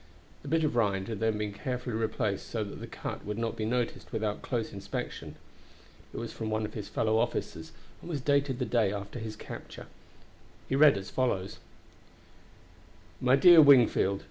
The bit of rind had then been carefully replaced so that the cut would not be noticed without close inspection. It was from one of his fellow officers, and was dated the day after his capture. He read as follows: "My Dear Wingfield.